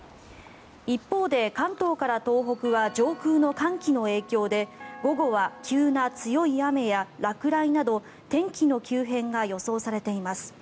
一方で、関東から東北は上空の寒気の影響で午後は急な強い雨や落雷など天気の急変が予想されています。